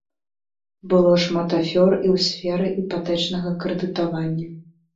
Было шмат афёр і ў сферы іпатэчнага крэдытавання.